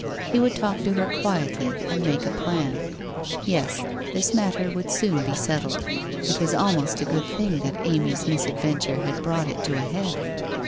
He would talk to her quietly and make a plan. Yes, this matter would soon be settled ; it was almost a good thing that Amy's misadventure had brought it to a head.